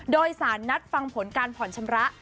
โดยสารนัดฟังผลการผ่อนชำระ